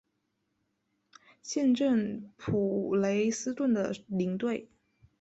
现任普雷斯顿的领队。